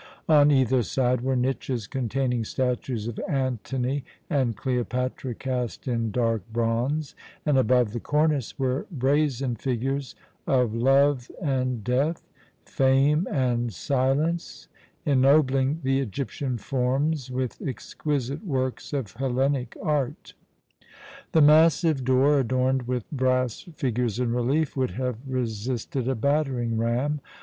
On either side were niches containing statues of Antony and Cleopatra cast in dark bronze, and above the cornice were brazen figures of Love and Death, Fame and Silence, ennobling the Egyptian forms with exquisite works of Hellenic art. The massive door, adorned with brass figures in relief, would have resisted a battering ram.